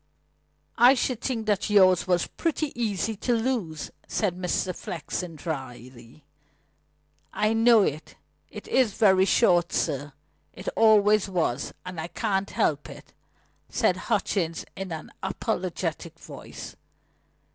"I should think that yours was pretty easy to lose," said Mr. Flexen dryly. "I know it. It is very short, sir. It always was; and I can't help it," said Hutchings in an apologetic voice.